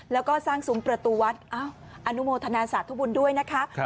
แล้วก็สร้างซุ้มประตูวัดอนุโมทนาสาธุบุญด้วยนะคะ